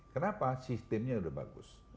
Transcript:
kenapa sistemnya udah bagus